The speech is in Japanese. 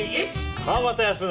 川端康成。